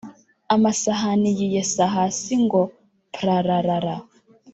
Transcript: amasahani yiyesa hasi ngo prararara